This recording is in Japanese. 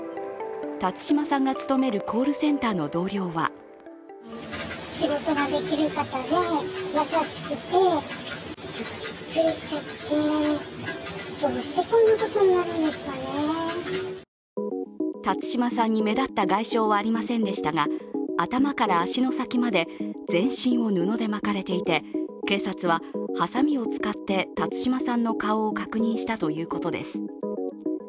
辰島さんが勤めるコールセンターの同僚は辰島さんに目立った外傷はありませんでしたが、頭から足の先まで全身を布で巻かれていて、警察は、はさみを使って辰島さんの顔を確認したということです。